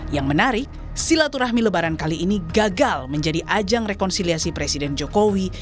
yang menarik silaturahmi lebaran kali ini gagal menjadi ajang rekonsiliasi presiden jokowi